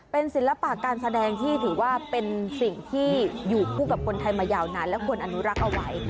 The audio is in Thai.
เป็นศิลปะการแสดงที่ถือว่าเป็นสิ่งที่อยู่คู่กับคนไทยมายาวนานและควรอนุรักษ์เอาไว้